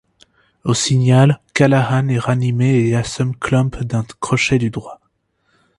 Au signal, Callahan est ranimé et assomme Clump d'un crochet du droit.